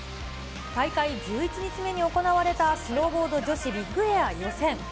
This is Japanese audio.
大会１１日目に行われた、スノーボード女子ビッグエア女子予選。